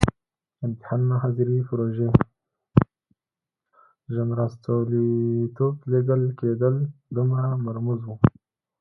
د جنرال ستولیتوف لېږل کېدل دومره مرموز وو.